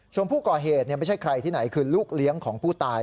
ส่วนผู้ก่อเหตุไม่ใช่ใครที่ไหนคือลูกเลี้ยงของผู้ตาย